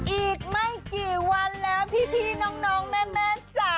อีกไม่กี่วันแล้วพี่พี่น้องน้องแม่แม่จ๋า